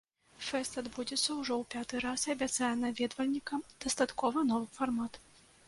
Фэст адбудзецца ўжо ў пяты раз і абяцае наведвальнікам дастаткова новы фармат.